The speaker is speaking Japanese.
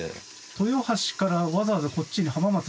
豊橋からわざわざこっちに浜松に来たと。